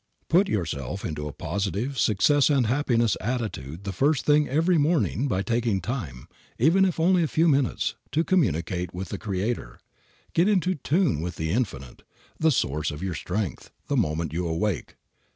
Put yourself into a positive, success and happiness attitude the first thing every morning by taking time, even if only a few minutes, to commune with the Creator. Get into tune with the Infinite, the Source of your strength, the moment you awake.